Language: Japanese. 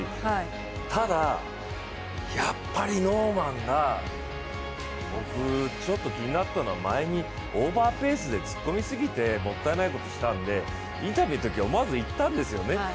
ただ、やっぱりノーマンが僕、ちょっと気になったのは前にオーバーペースで突っ込んでもったいないことをしたんでインタビューの時は思わず言ったんですよね。